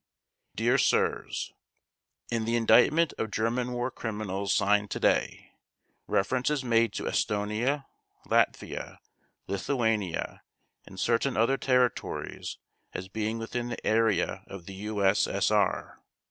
Dear Sirs: In the Indictment of German War Criminals signed today, reference is made to Estonia, Latvia, Lithuania, and certain other territories as being within the area of the U.S.S.R.